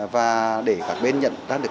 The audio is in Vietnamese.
và để các bên nhận ra được